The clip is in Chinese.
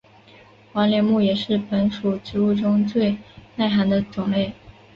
黄连木也是本属植物中最耐寒的种类。